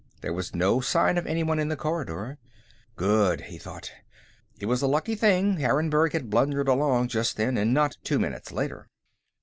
There was no sign of anyone in the corridor. Good, he thought. It was a lucky thing Harrenburg had blundered along just then, and not two minutes later.